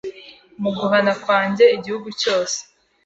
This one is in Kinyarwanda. Muguhana kwanjye Igihugu cyose